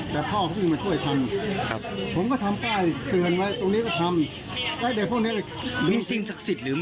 เดี๋ยวก็มันก็มีการเม้ง